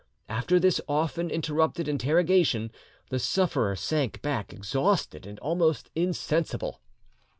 After this often interrupted interrogation, the sufferer sank back exhausted, and almost insensible.